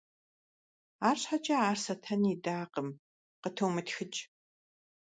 Арщхьэкӏэ ар Сатэн идакъым: - Къытомытхыкӏ.